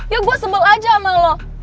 ya gue sebel aja sama lo